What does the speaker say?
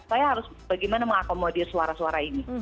saya harus bagaimana mengakomodir suara suara ini